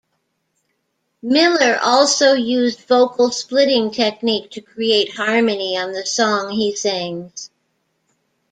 Miller also used vocal splitting technique to create harmony on the song he sings.